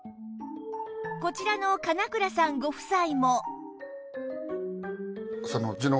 こちらの神永倉さんご夫妻も